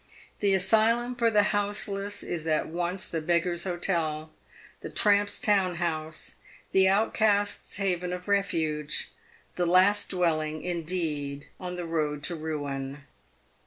The asylum for the house less is at once the beggar's hotel, the, tramp's town house, the outcast's haven of refuge — the last dwelling, indeed, on the road to ruin.